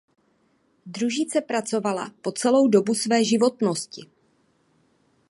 Družice pracovala po celou dobu své životnosti.